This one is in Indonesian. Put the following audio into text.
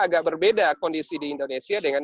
agak berbeda kondisi di indonesia dengan